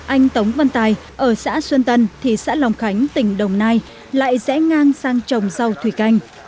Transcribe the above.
anh tống văn tài ở xã xuân tân thị xã lòng khánh tỉnh đồng nai lại rẽ ngang sang trồng rau thủy canh